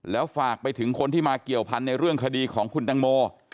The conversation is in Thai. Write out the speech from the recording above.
แล้วฝากไปถึงคนที่มาเกี่ยวพันธุ์ในเรื่องคดีของคุณตังโม